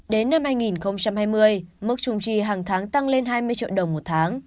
đến năm hai nghìn hai mươi mức trung chi hàng tháng tăng lên hai mươi triệu đồng một tháng